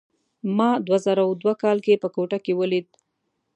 ما دوه زره دوه کال کې په کوټه کې ولید.